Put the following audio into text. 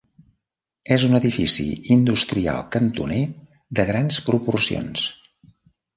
És un edifici industrial cantoner de grans proporcions.